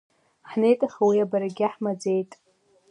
Ҳнеит, аха уи абарагьы ҳмаӡеит.